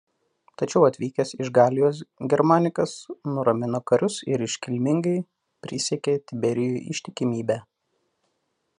Tačiau atvykęs iš Galijos Germanikas nuramino karius ir iškilmingai prisiekė Tiberijui ištikimybę.